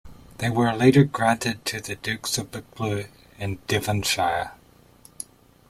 Later they were granted to the dukes of Buccleuch and Devonshire.